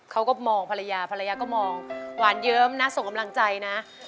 เขาก็มองภรรยาภรรยาก็มองหวานเยิ้มนะส่งกำลังใจนะ